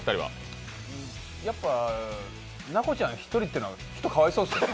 奈子ちゃん１人ってのはちょっとかわいそうですね。